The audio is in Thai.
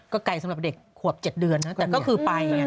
ก็ไกลสำหรับเด็กขวบ๗เดือนนะแต่ก็คือไปไง